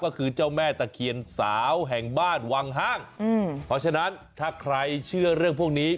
ก็คือเจ้าแม่ตะเคียนสาวแห่งบ้านวังห้างอืมเพราะฉะนั้นถ้าใครเชื่อเรื่องพวกนี้